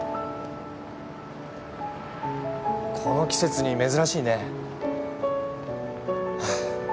この季節に珍しいね。